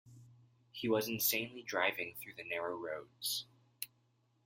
He was insanely driving through the narrow roads.